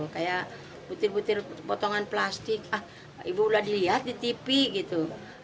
kayak butir butir potongan plastik ibu udah dilihat di tv gitu